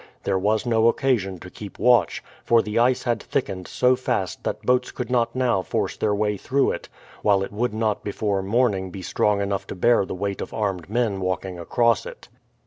There was no occasion to keep watch, for the ice had thickened so fast that boats could not now force their way through it, while it would not before morning be strong enough to bear the weight of armed men walking across it.